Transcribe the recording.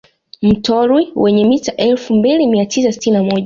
Mtorwi wenye mita elfu mbili mia tisa sitini na moja